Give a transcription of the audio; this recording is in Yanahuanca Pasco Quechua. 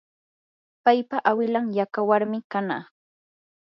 paypa awilan yaqa warmi kanaq.